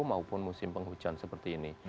maupun musim penghujan